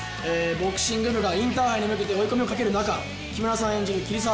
ボクシング部がインターハイに向けて追い込みをかける中木村さん演じる桐沢